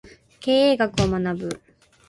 経営学を学ぶ